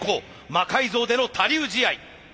魔改造での他流試合。